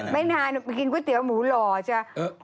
ไม่นานไปกินกว่าเตี๋ยวหมูหรอใช่ไหม